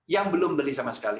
yang belum beli sama sekali